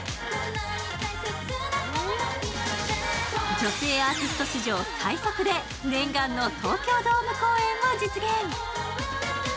女性アーティスト史上最速で念願の東京ドーム公演を実現！